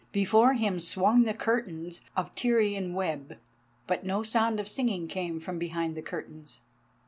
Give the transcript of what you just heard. Before him swung the curtains of Tyrian web, but no sound of singing came from behind the curtains.